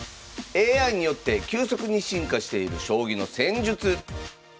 ＡＩによって急速に進化している将棋の戦術。